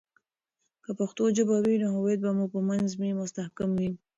که پښتو ژبه وي، نو هویت به مو په منځ مي مستحکم وي.